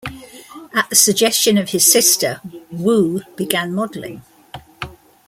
At the suggestion of his sister, Wu began modeling.